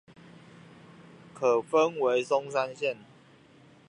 可分為松山線